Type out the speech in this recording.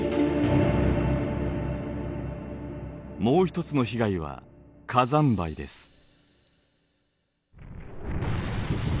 もう一つの被害は火山灰です。